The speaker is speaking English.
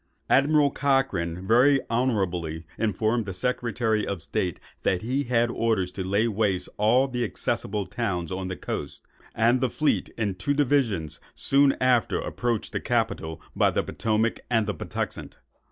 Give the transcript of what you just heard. Admiral Cochrane very honourably informed the Secretary of State that he had orders to lay waste all the accessible towns on the coast; and the fleet, in two divisions, soon after approached the capital by the Potomac and the Patuxent.